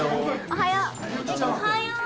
おはよう。